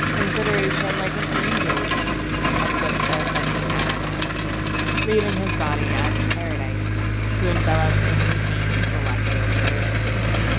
Consideration like an angel came, And whipped the offending Adam out of him. Leaving his body as a paradise, To envelop and contain celestial spirits.